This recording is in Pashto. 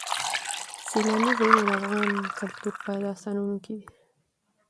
سیلاني ځایونه د افغان کلتور په داستانونو کې دي.